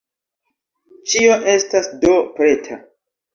Ĉio estas do preta.